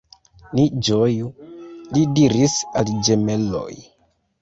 Ni ĝoju, li diris al ĝemeloj.